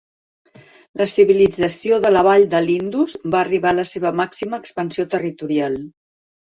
La Civilització de la vall de l'Indus va arribar a la seva màxima expansió territorial.